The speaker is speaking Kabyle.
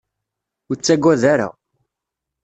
Ur ttagad ara.